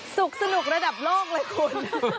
สนุกระดับโลกเลยคุณ